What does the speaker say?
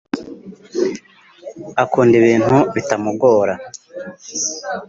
akunda ibintu bitamugora